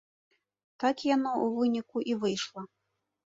Так яно, у выніку, і выйшла.